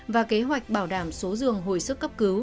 và kế hoạch bảo đảm số giường hồi sức cấp cứu